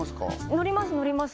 乗ります乗ります